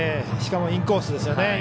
しかもインコースですよね。